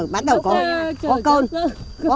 bắt đầu mưa là mình phải chạy